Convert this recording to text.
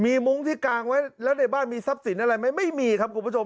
มีมุ้งที่กางไว้แล้วในบ้านมีทรัพย์สินอะไรไหมไม่มีครับคุณผู้ชม